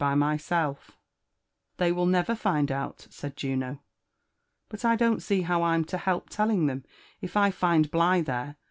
by myself ?"" They will never find it out," said Juno, " But I don't see how Vm to help telling them, if I find Bligh there.